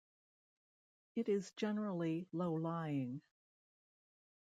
It is generally low lying.